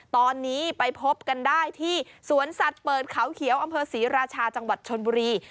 ตอนนี้ไปพบกันได้ที่สวนสัตว์เปิดเขาเขียวอำเภอศรีราชาจังหวัดชนบุรี